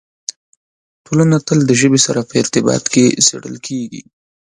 ټولنه تل د ژبې سره په ارتباط کې څېړل کېږي.